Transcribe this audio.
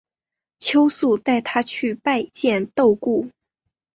耿秉带他去拜见窦固。